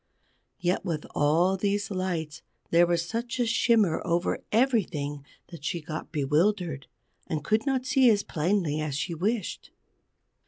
Yet with all these lights there was such a shimmer over everything that she got bewildered, and could not see as plainly as she wished.